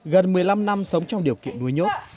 gần một mươi năm năm sống trong điều kiện đuôi nhốt